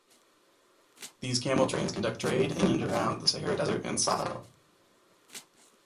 These camel trains conduct trade in and around the Sahara Desert and Sahel.